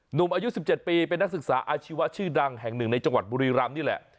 หนุ่มอายุ๑๗ปีเป็นนักศึกษาอาชีวะชื่อดังแห่งหนึ่งในจังหวัดบุรีรำนี่แหละ